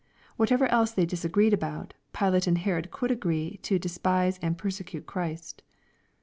Whatever else they disagreed about, Pilate and Herod could agree to despise and persecute Christ.